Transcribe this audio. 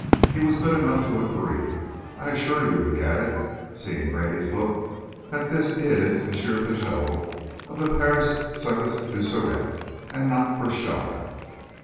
He was good enough to agree. I assure you," he added, seeing Grady's look, "that this is M. Pigot, of the Paris Service du Sûreté, and not Crochard."